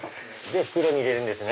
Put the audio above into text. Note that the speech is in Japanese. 袋に入れるんですね。